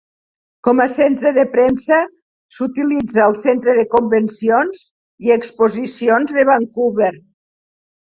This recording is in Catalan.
Com a centre de premsa s'utilitza el Centre de Convencions i Exposicions de Vancouver.